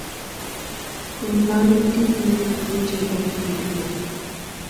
কুরআন একটি পূর্ণাঙ্গ জীবন-বিধান।